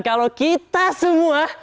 kalau kita semua